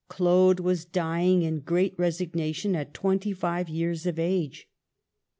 Claude was dying in great resignation at twenty five years of age.